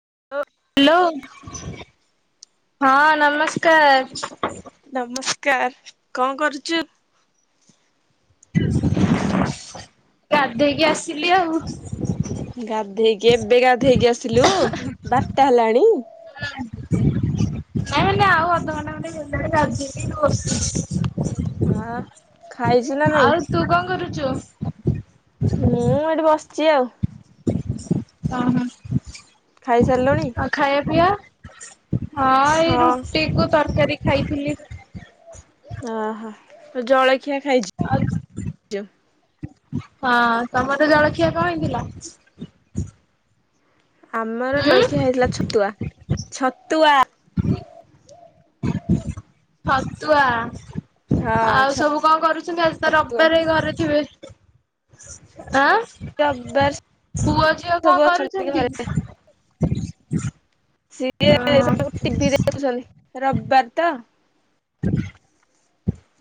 [unintelligible] Hello ହଁ, ନମସ୍କାର୍। ନମସ୍କାର୍, କଣ କରୁଚୁ? ଗାଧେଇକି ଆସିଲି ଆଉ। ଗାଧେଇକି ଏବେ ଗାଧେଇକି ଆସିଲୁ ବାରଟା ହେଲାଣି। ନାଇଁ ମାନେ ଆଉ ଅଧଘଣ୍ଟା ମାନେ ଗାଧେଇକି [unintelligible] ଖାଇଚୁ ନା ଆଉ ନାଇଁ? ତୁ କଣ କରୁଚୁ? ମୁଁଁ ଏଇଟି ବସ୍ଚି ଆଉ। [unintelligible] ଖାଇସାରିଲୁଣି? ଆଉ ଖାଇବା ପିଇବା ହଁ ଏଇ ରୁଟିକୁୁ ତରକାରୀ ଖାଇଥିଲି। ଓହୋ, ଜଳଖିଆ ଖାଇଚି। ଆ ହଁ ତମର ଜଳଖିଆ କଁ ହେଇଥିଲା। ଆମର ଉଁ ଜଳଖିଆ ହେଇଥିଲା ଛତୁଆ, ଛତୁଆ। ଫତଆ। ହଁ ଆଉ ସବୁ କଣ କରୁଚନ୍ତି। ଆଜି ତ ଛତୁଆ ରବିବାର ଘରେ ଥିବେ, ଆଁ। ରବିବାସ ପୁଅ ଝିଅ କଣ ସବୁ ଅଛନ୍ତି କରୁଛନ୍ତି? ଘରେ। ସିଏ ଓହୋ ସବୁ ଟିଭି ଦେଖୁସନ୍ତି ରବିବାର ତ।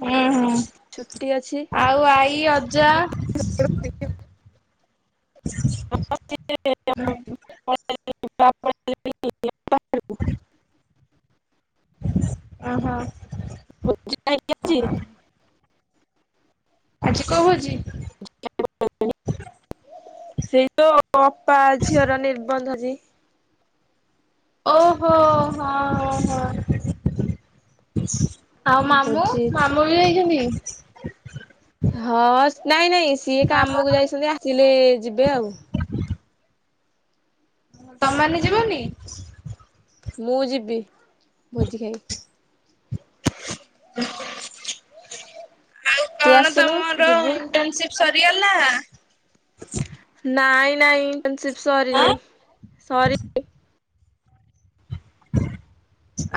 ହୁଁ ହୁଁ ଛୁଟି ଅଛି। ଆଉ ଆଈ ଅଜା। [unintelligible] ହ [unintelligible] ଓହୋ [unintelligible] ଆଜି କୋଉ ଭୋଜି? [unintelligible] ସେଇ ଯୋ ଅପା ଝିଅର ନିର୍ବନ୍ଧ ଆଜି। ଓହୋ ହଁ ହଁ। ଆଉ ମାମୁଁ, ଭୋଜି ମାମୁଁ ବି ଯାଇଚନ୍ତି। ହଁ, ନାଇଁ ନାଇଁ ସିଏ ମାମୁଁ କାମକୁ ଯାଇସନ୍ତି ଆସିଲେ ଯିବେ ଆଉ। ତମମାନେ ଯିବନି? ମୁଁ ଯିବି ଭୋଜି ଖାଇ। ଆଉ ତୁ କଣ ଆସୁନୁ ତମର ଯିବୁ। ଇଣ୍ଟରନସିପ ସରିଗଲା। ନାଇଁ ନାଇଁ ଇଣ୍ଟରସିପ ଆଁ ସରିନି ସରି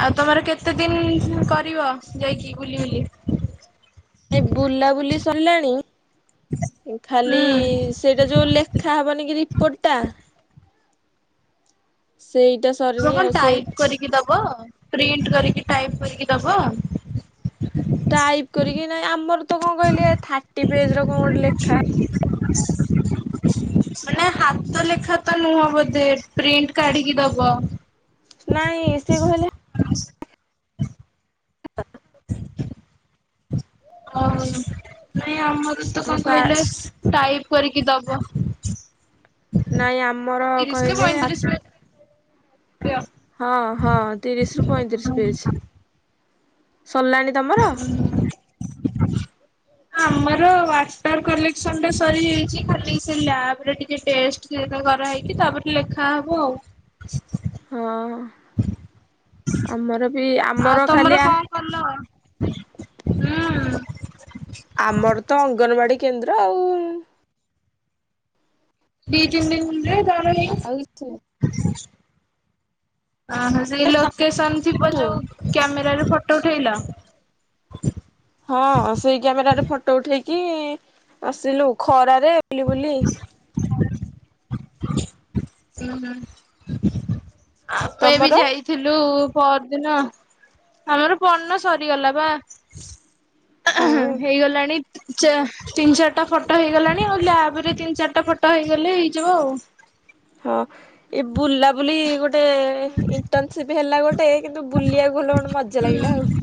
ଆଉ ତମର କେତେ ଦିନ କରିବ ଯାଇକି ବୁଲି ବୁଲି। ଏ ବୁଲା ବୁଲି ସରିଲାଣି। ଖାଲି ହୁଁ। ସେଇଟା ଯୋଉ ଲେଖା ହବନି କି ରିପୋର୍ଟ ଟା। ସେଇଟା। ହଣ ସରିନି କଣ ଆଉ ସେଇ ଟାଇପ କରିକି ଦବ। ପ୍ରିଣ୍ଟ କରିକି ଟାଇପ କରିକି ଦବ। ଟାଇପ୍ କରିକି ନାଇଁ ଆମର ତ କଣ କହିଲେ ଥାର୍ଟି ପେଜ ର କଣ ଗୋଟେ ଲେଖା। ମାନେ ହାତ ଲେଖା ତ ନୁହଁ ବୋଧେ ପ୍ରିଣ୍ଟ କାଢିକି ଦବ। ନାଇଁ ଏସିି କହଲେ- - ଓ ନାଇଁ ଆମର ତ ଆମ କଣ ସାର୍ କହିଲେ ଟାଇପ୍ କରିକି ଦବ। ନାଇଁ ଆମର ତିରିଶ କହିଲେ- - ଆ ହଁ ହଁ ତିରିଶ ରୁ ପଇଁତିରିଶ ପିଜ ସରିଲାଣି ତମର? ଆା ଆମର ୱାଟର କଲେକ୍ସନ ଟା ସରି ହୋଇଚି ଖାଲି ସେ ଲାବ ରେ ଟିକେ ଟେଷ୍ଟ - - ସିଲେଟ କରାହେଇଚି। ତାପରେ ଲେଖା ହବ ଆଉ। ହଁ, ଆମର ବି ଆମର ଖାଲିଆ - - ଭଲ ହୁଁ। ଆମର ତ ଅଙ୍ଗନବାଡି କେନ୍ଦ୍ର ଆଉ। ଦି ତିନି ଦିନରେ ଜଣ ହିଁ। ଆଉ କିଛି ଅ ହ ସେ ଏ ଲ [unintelligible] ଲୋକସନ୍ ଥିବ ନାହିଁ। ଯେଉଁ କ୍ୟାମେରାରେ ଫଟୋ ଉଠାଇଲା। ହଁ ସେଇ କ୍ୟାମେର ରେ ଫଟୋ ଉଠେଇକି ଆସିଲୁ ଖରାରେ ବୁଲି ବୁଲି। ଉୁଁ ହଁ ଆମେ ବି ତମର ଯାଇ ଥିଲୁ ପରଦିନ ଆମର ପର୍ନ ସରିଗଲା ବା ହୁଁ ହେଇଗଲାଣି। ତିନି ଚାରିଟା ଫଟୋ ହେଇଗଲାଣି ଆଉ ଲ୍ୟାବ ରେ ତିନି ଚାରିଟା ଫଟୋ ହେଇଗଲେ ହେଇଯିବ ଆଉ। ହଁ ଏ ବୁଲାବୁଲି ଗୋଟେ ଇଣ୍ଟର୍ନସିପ ହେଲା ଗୋଟେ କିନ୍ତୁ ବୁଲିବାକୁ ଗଲେ ଭଲ ମଜା ଲାଗିଲା ଆଉ। ହୁଁ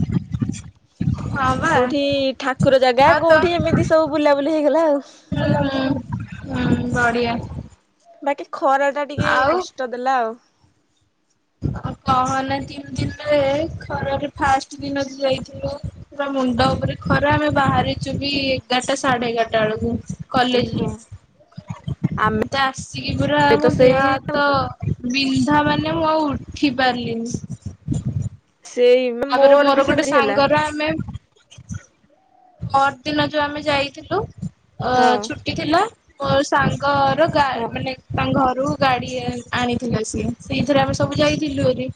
ହଁ ବା କୋଉଠି ଠାକୁର ଜାଗା ଆଉ କୋଉଠି ଏମିତି ସବୁ ବୁଲାବୁଲି ହେଇଗଲା ଆଉ। ହଁ ହୁଁ ବଢିଆ। ବାକି ଖରା ଟା ଟିକେ ଆଉ କଷ୍ଟ ଦେଲା ଆଉ। ଆଉ କହନା ତିନି ଦିନରେ ଖରାରେ ଫାଷ୍ଟ ଦିନକୁ ଯାଇଥିଲୁ। ପୁରା ମୁଣ୍ଡ ଉପରେ ଖରା ଆମେ ବାହାରିଛୁ ବି ଏଗାରଟା ସାଢେ ଏଗାରଟା ବେଳକୁ। ହଁ କଲେଜରେ ଆମେ ମତେ ଆସିକି ପୁରା ତ ମୋ ଦେହ ସେଇ ହା ତ ବିନ୍ଧା ମାନେ ମୁଁ ଆଉ ଉଠି ପାରିଲିନି। ସେଇ ତାପରେ ମୋର ବି ଗୋଟେ ସେମିତି ହେଲା। ସାଙ୍ଗର ଆମେ ପର ଦିନ ଯୋଉ ଆମେ ଯାଇଥିଲୁ ଅ ହଁ ଛୁଟି ଥିଲା। ମୋ ସାଙ୍ଗର ଗା ହଁ ମାନେ ତାଙ୍କ ଘରୁ ଗାଡି ଆଣିଥିଲେ ସିଏ। ସେଇଥିରେ ଆମେ ସବୁ ଯାଇଥିଲୁ ହେରି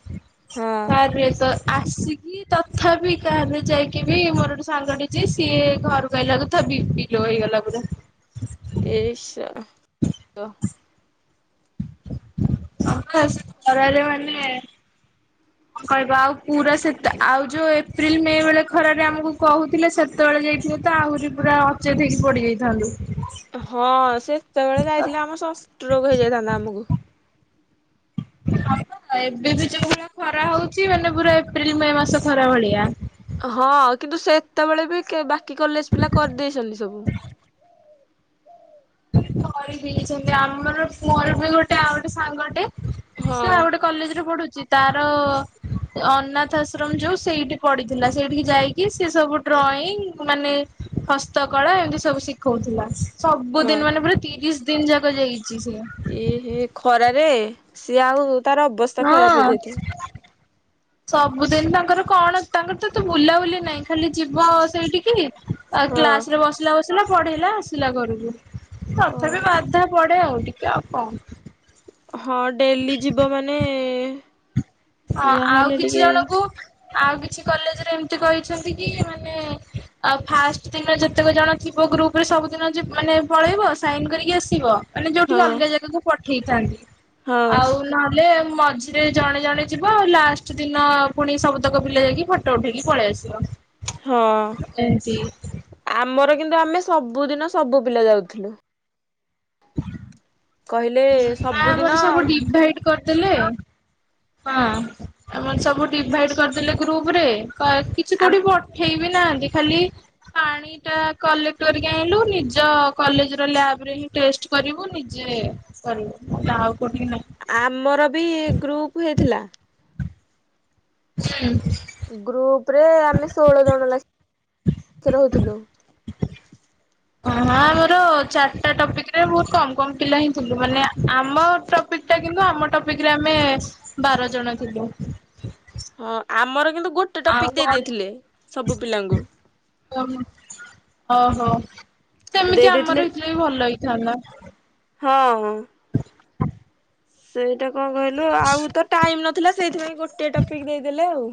ହଁ କାର ତ ଆସିକି। ତଥାପି କାର ଯାଇକି ବି ମୋର ଗୋଟେ ସାଙ୍ଗ ଟି ଯେ ସିଏ ଘରୁ ଆଇଲା କୁ ବିପି ଲୋ ହେଇଗଲା ପୁରା। ଏସ [unintelligible] ଆ ଆରେ ମାନେ [unintelligible] କହିବ ଆଉ ପୁରା ସେତ ଆଉ ଯୋଉ ଏପ୍ରିଲ ମେ ବେଳେ ଖରାରେ ଆମକୁ କହୁଥିଲା ସେ ସେତେବେଳେ ଯାଇଥିବୁ ତ ଆହୁରି ପୁରା ଅଚେତ ହେଇକି ପଡିଯାଇଥାନ୍ତୁ। ହଁ ସେ ସେତେବେଳେ ଯାଇଥିଲେ ଆମ ଷଷ୍ଠ ରୋଗ ହେଇଯାଇଥାନ୍ତା ଆମକୁ। ହ ଏବେ ବି ଯୋଉଭଳିଆ ଖରା ହଉଛି ମାନେ ପୁରା ଏପ୍ରିଲ ମେ ମାସ ଖରା ଭଳିଆ। ହଁ କିନ୍ତୁ ସେତେବେଳେ ବି ବାକି କଲେଜ ପିଲା କରିଦେଇଛନ୍ତି ସବୁ। କରିଛନ୍ତି ଆମର ମୋର ବି ଗୋଟେ ଆଉ ଗୋଟେ ସାଙ୍ଗଟେ ସେ ହଁ ଆଉ ଗୋଟେ। କଲେଜରେ ପଢୁଛି ତାର। ଅନାଥ ଆଶ୍ରମ ଯୋଉ ସେଇଠି ପଡିଥିଲା ସେଇଠି ଯାଇକି ସେ ସବୁ ଡ୍ରଇଂ ମାନେ। ହସ୍ତକଳା ଏମିତି ସବୁ ଶିଖଉଥିଲା ସବୁ ସବୁ ହଁ ଦିନ ମାନେ ପୁରା ତିରିଶ ଦିନ ଯାକ ଯାଇଛି ସିଏ। ଏ ହେ ଖରାରେ ସିଏ ଆଉ ତାର ଅବସ୍ଥା ଖରାପ ହଁ ହେଇଯାଇଥିବ। ସବୁଦିନ ତାଙ୍କର କଣ ତାଙ୍କର ତ ବୁଲାବୁଲି ନାହିଁ ଖାଲି ଯିବ ସେଇଠି କି। ଆଉ ହଁ। କ୍ଲାସ ରେ ବସିଲା ବସିଲା ପଢେଇଲା ଆସିଲା ଘରକୁ ଓ ତଥାପି ବାଧା ପଢେ ଆଉ ଟିକେ ଆଉ କଣ। ହଁ ଡେଲି ଯିବ ମାନେ। ହଁ ଆଉ ଯାହାହେଲେ କିଛି ଟିକେ ଜଣଙ୍କୁ। ଆଉ କିଛି କଲେଜରେ ଏମିତି କହିଛନ୍ତି କି ମାନେ ଫାର୍ଷ୍ଟ ଦିନ ଯେତେକ ଜଣ ଗ୍ରୁପ ରେ ସବୁଦିନ ମାନେ ପଳେଇବ ସାଇନ କରିକି ଆସିବ। ମାନେ ଯୋଉଠିକି ହଁ। ଅଲଗା ଜାଗାକୁ ପଠେଇଥାନ୍ତି ହଁ ଆଉ ନହେଲେ ମଝିରେ ଜଣେ ଜଣେ ଯିବ ଲାଷ୍ଟ ଦିନ ପୁଣି ସବୁତକ ପିଲା ଯାଇକି ଫଟୋ ଉଠେଇକି ପଳେଇ ଆସିବ। ହଁ ଏମିତି। ଆମର କିନ୍ତୁ ଆମେ ସବୁଦିନ ସବୁ ପିଲା ଯାଉଥିଲୁ। କହିଲେ ଆ ସବୁଦିନ ଆମର ସବୁ ଡିଭାଇ [unintelligible] କରିଦେଲେ ହଁ ଆ ସବୁ ଡିଭାଇଡ୍ କରିଦେଲେ ଗ୍ରୁପ ରେ କିଛି ଆମ୍ କୋଉଠି ପଠେଇ ବିି ନାହାନ୍ତି ଖାଲି ପାଣି ଏଟା କଲେକ୍ଟ କରିକି ଆଇଁଲୁ ନିଜ କଲେଜେ ର ଲ୍ୟାବ୍ ରେ ହି ଟେଷ୍ଟ କରିବୁ ନିଜେ। ସରି ମତେ ଆଉ କୋଉଠିକି ନାଇଁ। ଆମର ବି ଗ୍ରୁପ ହେଇଥିଲା। ହୁଁ। ଗ୍ରୁପ ରେ ଆମେ ଷୋଳ ଜଣ ଲା ଖେ ରହୁଥିଲୁ। ହ [inaudible] ମୋର ଚାରିଟା ଟପିକିରେ ବହୁତୁ କମ୍ କମ୍ ପିଲା ହିଁ ଥିଲୁ ମାନେ ଆମ [unintelligible] କିନ୍ତୁ ଆମ ଟପିକି ରେ ଆମେ ବାର ଜଣ ଥିଲୁ। ହଁ ଆମର କିନ୍ତୁ ଗୋଟେ ଟପିକି ଦେଇ ଆଉ ଦେଇଥିଲେ ସବୁ ପିଲାଙ୍କୁ। ଓହ ଅହ ଦେଇ ସେମିତି ଦେଇଥିଲେ ଆମର ହେଇଥିଲେ ବି ଭଲ ହେଇଥାନ୍ତା। ହଁ। ସେଇଟା କଣ କହିଲୁ ଆଉ ତ ଟାଇମ୍ ନଥିଲା ସେଇଥିପାଇଁ ଗୋଟେ ଟପିକି ଦେଇଦେଲେ ଆଉ।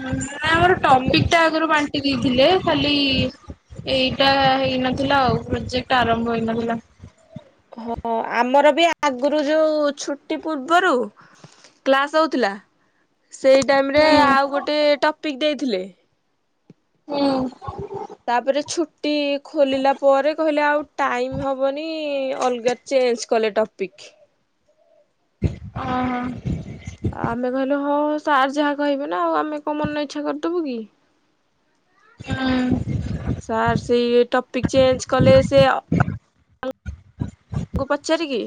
ନାଁ ଆମର ତମ ଟପିକି ଟା ଆଗରୁ ବାଣ୍ଟି ଦେଇଥିଲେ ଖାଲି ଏଇଟା ହେଇନଥିଲା ଆଉ ପ୍ରୋଜେକ୍ଟ ଆରମ୍ଭ ହେଇନଥିଲା। ହଁ ଆମର ବି ଆଗରୁ ଯୋଉ ଛୁଟି ପୂର୍ବରୁ କ୍ଲାସ ହଉଥିଲା ସେଇ ଟାଇମ୍ ରେ ହୁଁ ହୁଁ ଆଉ ଗୋଟେ ଟପିକି ଦେଇଥିଲେ। ହୁଁ। ତାପରେ ଛୁଟି ଖୋଲିଲା ପରେ କହିଲେ ଆଉ ଟାଇମି ହବନି ଅଲଗା ଚେଞ୍ଜ୍ କଲେ ଟପିକି। ଅ ହଁ। ଆମେ କହିଲୁ ହଁ ସାର୍ ଯାହା କହିବେ ନା ଆଉ ଆମେ କୋଉ ମନ ଇଚ୍ଛା କରିଦବୁ କି। ହୁଁ ସାର୍ ସେଇ ଟପିକି ଚେଞ୍ଜ କଲେ ସେ ପଚାରିକି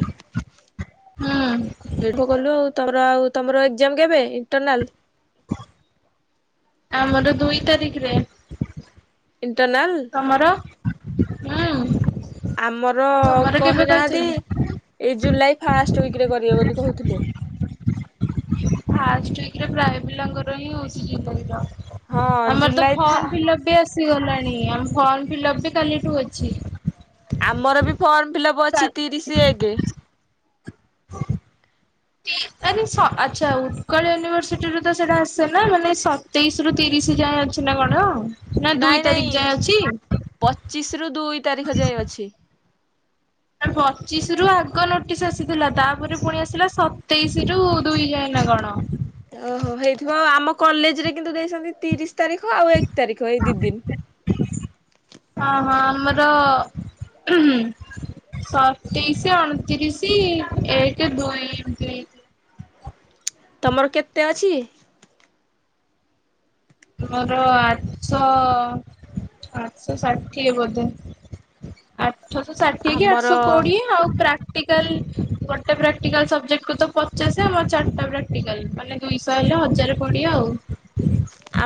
ହୁଁ। ସେଠୁ ଗଲୁ ଆଉ ତମର ଏଜାମ କେବେ ଇଣ୍ଟରନାଲ? ଆମର ଦୁଇ ତାରିଖରେ। ଇଣ୍ଟନାଲ୍। ତମର ଉଁ? ଆମର କହିନାହାନ୍ତି ଏଇ ଜୁଲାଇ ଫାଷ୍ଟ ୱିକିରେ କରିବେ ବୋଲି କହୁଥିଲେ। ଫାଷ୍ଟ ୱାଇକି ପ୍ରାଏ ପିଲାଙ୍କର ହିଁ ହଉଚି ହଁ ଜ ଆମର ତ ଜୁଲାଇ ଥା ଫମ୍ ଫିଲପ [unintelligible] ବି ଆସିଗଲାଣି ଆମ ଫର୍ମ ଫିଲଅପ୍ ବି କାଲିଠୁ ଅଛି। ଆମର ବି ଫର୍ମ ଫିଲ୍ପ ଅପ୍ ଅଛି ତିରିଶି ଏକେ। [inaudible] [unintelligible] ସ ଆଚ୍ଛା ଉତ୍କଳ ୟୁନିଭର୍ସିଟିରେ ତ ସେଇଟା ଆସେ ନା ମାନେ ସତେଇଶି ରୁ ତିରିଶି ଯାଏ। ଅଛି ନା କଣ। ନା ଦୁଇ ନାଇଁ ତାରିଖ ନାଇଁ ଯାଏଁ ଅଛି? ପଚିଶି ରୁ ଦୁଇ ତାରିଖ ଯାଏ ଅଛି। ପଚିଶି ରୁ ଆଗ ନୋଟିସ୍ ଆସିଥିଲା ତାପରେ ପୁଣି ଆସିଲା ସତେଇଶି ରୁ ଦୁଇ ଯାଏଁ ନା କଣ। ଓହୋ ହେଇଥିବ ଆଉ ଆମ କଲେଜେ ରେ କିନ୍ତୁ ଦେଇସନ୍ତି ତିରିଶି ତାରିଖ ଆଉ ଏକ ତାରିଖ ଏଇ ଦିଇ ଦିନି। [inaudible] ହଁ ହଁ ଆମର ସତେଇଶି ଅଣତିରିଶ ଏକ ଦୁଇ ଏମତି। ତମର କେତେ ଅଛି? ମୋର ଆଠଶହ ଆଠଶହ ଷାଠିଏ ବୋଧେ। ଆଠଶ ଷାଠିଏ କି ଆମର ଆଠଶହ କୋଡିଏ। ଆଉ ପ୍ରାକ୍ଟିକାଲ ଗୋଟେ ପ୍ରାକ୍ଟିକାଲ ସବଜେକ୍ଟକୁ ତ ପଚାଶ ଆ ଚାରିଟା ପ୍ରାକ୍ଟିକାଲ ମାନେ ଦୁଇଶହ ହେଲେ ହଜାର କୋଡ଼ିଏ ଆଉ।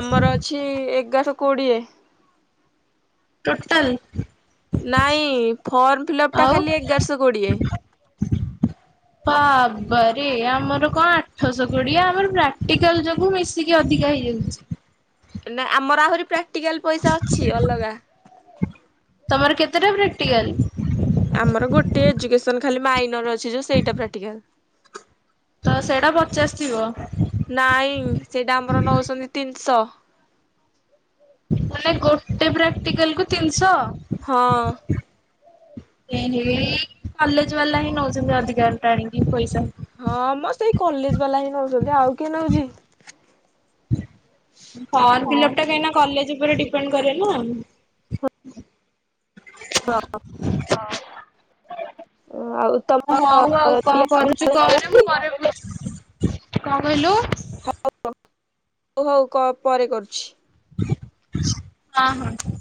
ଆମର ଅଛି ଏଗାରଶହ କୋଡିଏ। ଟୋଟାଲ୍? ନାଇଁ ଫର୍ମ ଫିଲପ୍ ଟା ଆଉ ଖାଲି ଏଗାରଶହ କୋଡିଏ। ବାବାରେ ଆମର କଣ ଆଠଶହ କୋଡିଏ ଆମର ପ୍ରାକ୍ଟିକାଲ ଯୋଗୁ ମିଶ ଟିକେ ଅଧିକା ହେଇଯାଉଛି। ନା ଆମର ଆହୁରି ପ୍ରାକ୍ଟିକାଲ ପଇସା ଅଛି ଅଲଗା। ତମର କେତେଟା ପ୍ରାକ୍ଟିକାଲ୍? ଆମର ଗୋଟେ ଏଜୁକେସନ ଖାଲି ମାଇନର ଅଛି ଯୋଉ ସେଇଟା ପ୍ରାକ୍ଟିକାଲ। ତ ସେଇଟା ପଚାଶ ଥିବ। ନାଇଁ ସେଇଟା ଆମର ନଉଛନ୍ତି ତିନିଶହ। ମାନେ ଗୋଟେ ପ୍ରାକ୍ଟିକାଲକୁ ତିନିଶହ। ହଁ। ଏ ହେ କଲେଜ ବାଲା ହିଁ ନଉଛନ୍ତି ଅଧିକା ଟାଣିକି ପଇସା। ହଁ ମ ସେଇ କଲେଜ ବାଲା ହିଁ ନେଉଛନ୍ତି ଆଉ କିଏ ନେଉଛି। ଫର୍ମ ଫିଲପଟା କାଇଁ ନା କଲେଜ ଉପରେ ଡିପେଣ୍ଡ କରେ ନା। [inaudible] ଆଉ ତମ ଓ ହଉ ଆଉ କଣ କରୁଛୁ କରେ ମୁଁ ପରେ [inaudible] କଣ କହିଲୁ? [inaudible] ହଉ ହଉ କ ପରେ କରୁଛି। ହଁ ହଁ।